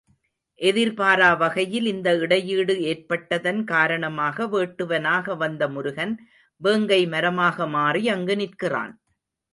எதிர்பாரா வகையில் இந்த இடையீடு ஏற்பட்டதன் காரணமாக, வேட்டுவனாக வந்த முருகன் வேங்கை மரமாக மாறி அங்கு நிற்கிறான்.